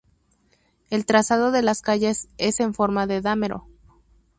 El trazado de las calles es en forma de damero.